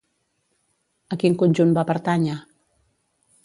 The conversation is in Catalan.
A quin conjunt va pertànyer?